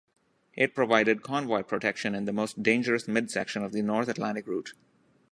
It provided convoy protection in the most dangerous midsection of the North Atlantic route.